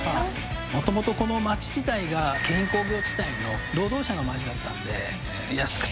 元々この町自体が京浜工業地帯の労働者の町だったんで。